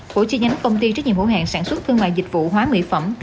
của chi nhánh công ty trách nhiệm hữu hạng sản xuất thương mại dịch vụ hóa mỹ phẩm